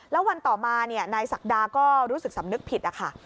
แล้ววันต่อมานายศักดาก็รู้สึกสำนึกผิดนะคะ